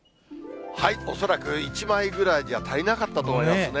恐らく１枚ぐらいじゃ足りなかったと思いますね。